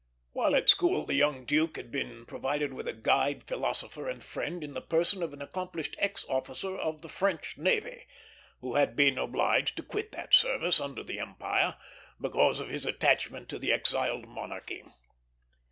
While at the school, the young duke had been provided with a guide, philosopher, and friend, in the person of an accomplished ex officer of the French navy, who had been obliged to quit that service, under the Empire, because of his attachment to the exiled monarchy.